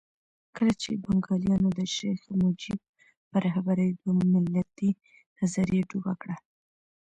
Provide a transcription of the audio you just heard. کله چې بنګالیانو د شیخ مجیب په رهبرۍ دوه ملتي نظریه ډوبه کړه.